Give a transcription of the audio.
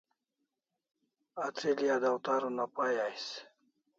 Atril'i a dawtar una pai ais